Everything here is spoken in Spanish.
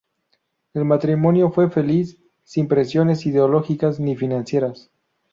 El matrimonio fue feliz, sin presiones ideológicas ni financieras.